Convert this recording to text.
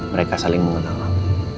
mereka saling mengenal allah